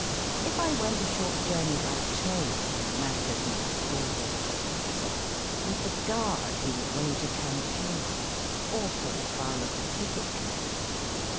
If I went a short journey by train With Mac as my stalwart protector, With the guard he would wage a campaign, Or fall foul of the ticket collector.